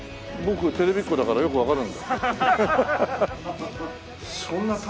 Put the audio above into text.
僕テレビっ子だからよくわかるんだ。